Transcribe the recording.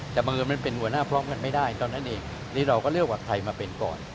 แต่บังเอิญมันเป็นหัวหน้าพร้อมกันไม่ได้เท่านั้นเองนี่เราก็เลือกว่าใครมาเป็นก่อน